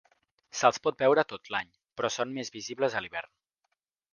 Se'ls pot veure tot l'any, però són més visibles a l'hivern.